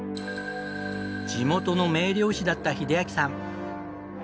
地元の名漁師だった秀明さん。